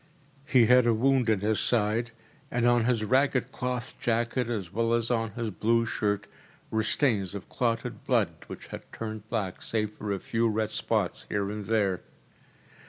He had a wound in his side, and on his ragged cloth jacket, as well as on his blue shirt, were stains of clotted blood, which had turned black save for a few red spots here and there.